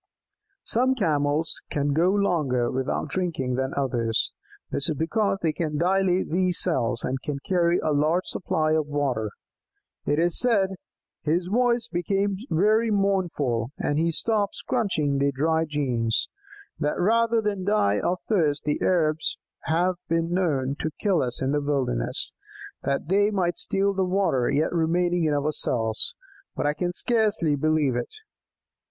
"Some Camels can go longer without drinking than others. This is because they can dilate these cells, and so carry a larger supply of water. It is said" his voice became very mournful, and he stopped scrunching the dry jeans "that rather than die of thirst the Arabs have been known to kill us in the wilderness, that they might steal the water yet remaining in our cells! But I can scarcely, believe it!"